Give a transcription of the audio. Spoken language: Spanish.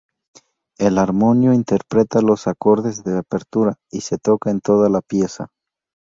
El armonio interpreta los acordes de apertura y se toca en toda la pieza.